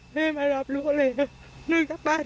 แล้วก็ยัดลงถังสีฟ้าขนาด๒๐๐ลิตร